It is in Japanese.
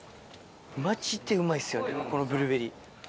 マジでうまいっすよねこのブルーベリー。